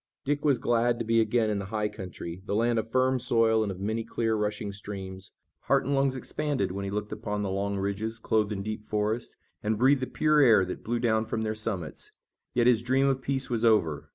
Dick was glad to be again in the high country, the land of firm soil and of many clear, rushing streams. Heart and lungs expanded, when he looked upon the long ridges, clothed in deep forest, and breathed the pure air that blew down from their summits. Yet his dream of peace was over.